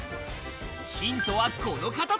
ヒントはこの形。